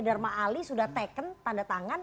darmali sudah teken tanda tangan